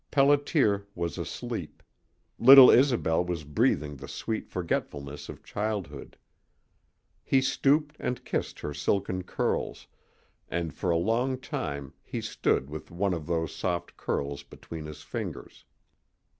Pelliter was asleep. Little Isobel was breathing the sweet forgetfulness of childhood. He stooped and kissed her silken curls, and for a long time he stood with one of those soft curls between his fingers.